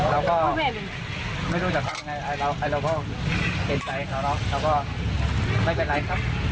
เราก็ไม่รู้จะตามไงนะเราก็เห็นใจเขาแหละเราก็